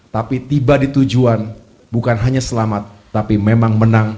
tapi tiba di tujuan bukan hanya selamat tapi memang menang